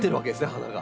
花が。